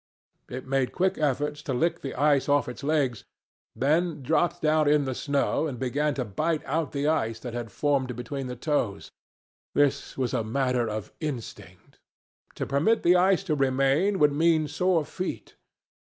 It made quick efforts to lick the ice off its legs, then dropped down in the snow and began to bite out the ice that had formed between the toes. This was a matter of instinct. To permit the ice to remain would mean sore feet.